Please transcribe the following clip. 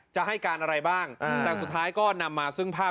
จะให้การอะไรบ้างแต่สุดท้ายก็นำมาซึ่งภาพ